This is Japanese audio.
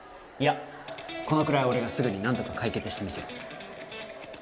いやこのくらい俺がすぐになんとか解決してみせる。